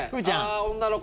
女の子。